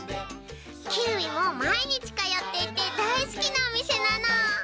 キーウィもまいにちかよっていてだいすきなおみせなの。